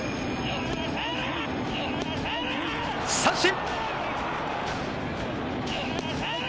三振！